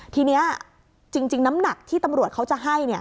ทีนี้จริงน้ำหนักที่ตำรวจเขาจะให้